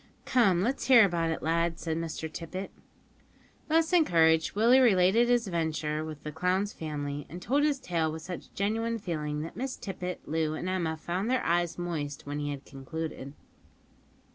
"Come, let's hear about it, lad," said Mr Tippet. Thus encouraged, Willie related his adventure with the clown's family, and told his tale with such genuine feeling, that Miss Tippet, Loo, and Emma found their eyes moist when he had concluded.